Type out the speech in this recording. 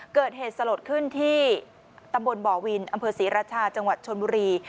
เกิดเหตุสลดขึ้นที่ตำบลบ่อวินอำเภอศรีราชาจังหวัดชนบุรี